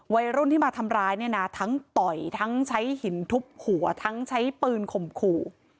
วัยรุ่นที่มาทำร้ายเนี่ยนะทั้งต่อยทั้งใช้หินทุบหัวทั้งใช้ปืนข่มขู่